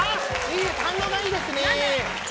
反応がいいですね。